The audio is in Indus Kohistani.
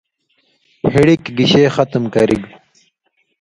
ہِڑِکیۡ ختم گیشے کریگ؟